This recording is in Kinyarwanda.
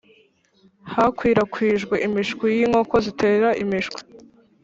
hakwirakwijwe imishwi y inkoko zitera imishwi